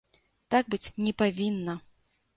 Так быць не павінна!